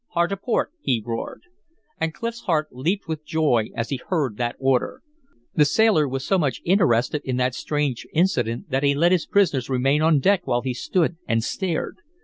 "Hard a port!" he roared. And Clif's heart leaped with joy as he heard that order. The sailor was so much interested in that strange incident that he let his prisoners remain on deck while he stood and stared.